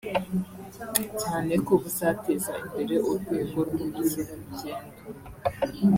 cyane ko buzateza imbere urwego rw’ubukerarugendo